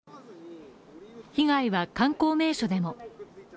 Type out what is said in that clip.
被害は、観光名所でも。